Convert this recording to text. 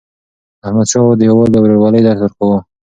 احمدشاه بابا د یووالي او ورورولۍ درس ورکاوه.